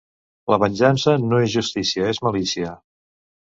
La venjança no és justícia, és malícia.